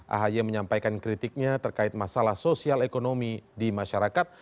ahy menyampaikan kritiknya terkait masalah sosial ekonomi di masyarakat